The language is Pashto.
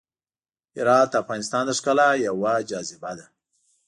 هرات د افغانستان د ښکلا یوه جاذبه ده.